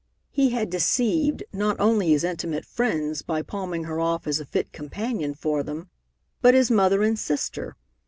He had deceived not only his intimate friends by palming her off as a fit companion for them, but his mother and sister.